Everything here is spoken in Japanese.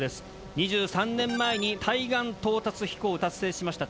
２３年前に対岸到達飛行を達成しました。